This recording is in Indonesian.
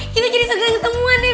kita jadi segala ketemuan deh beb